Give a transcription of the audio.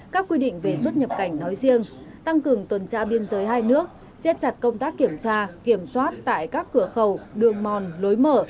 các quy định về xuất nhập cảnh nói riêng tăng cường tuần tra biên giới hai nước siết chặt công tác kiểm tra kiểm soát tại các cửa khẩu đường mòn lối mở